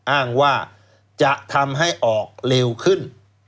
อ้างว่าจะทำให้ออกเร็วขึ้น